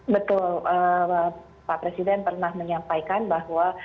betul pak presiden pernah menyampaikan bahwa